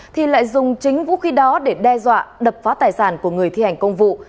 thì lại dùng chính vũ khí đó để đe dọa đập phá tài sản của người thi hành công vụ